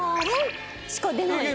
しか出ない。